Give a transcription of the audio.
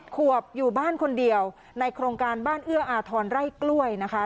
ขวบอยู่บ้านคนเดียวในโครงการบ้านเอื้ออาทรไร่กล้วยนะคะ